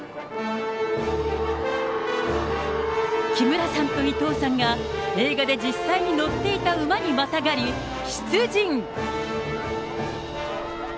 木村さんと伊藤さんが、映画で実際に乗っていた馬にまたがり、出陣。